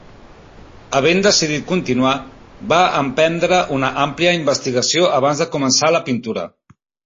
Havent decidit continuar, va emprendre una àmplia investigació abans de començar la pintura.